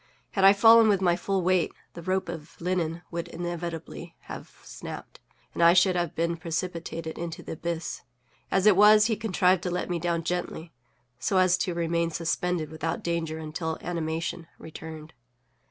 Had I fallen with my full weight, the rope of linen would inevitably have snapped, and I should have been precipitated into the abyss; as it was, he contrived to let me down gently, so as to remain suspended without danger until animation returned.